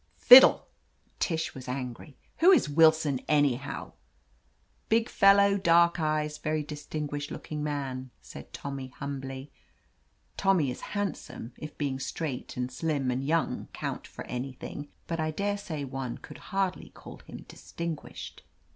"Fiddle I" Tish was angry. "Who is Will son, anyhow ?" "Big fellow, dark eyes — ^very distinguished looking man," said Tommy humbly. Tommy lOI \ THE AMAZING ADVENTURES is handsome, if being straight and slim and young count for anything, but I daresay one could hardly call him distinguished.